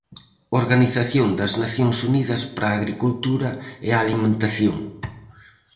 Organización das Nacións Unidas para a Agricultura e a Alimentación.